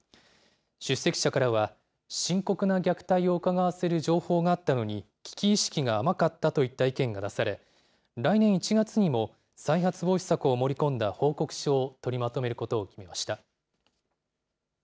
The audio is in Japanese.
出席者からは、深刻な虐待をうかがわせる情報があったのに、危機意識が甘かったとった意見が出され、来年１月にも、再発防止策を盛り込んだ報告書を取りまとめることを決めました。